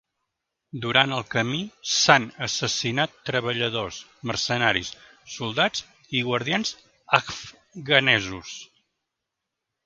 Durant el camí s"han assassinat treballadors, mercenaris, soldats i guardians afganesos.